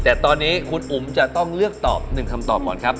แต่ตอนนี้คุณอุ๋มจะต้องเลือกตอบ๑คำตอบก่อนครับ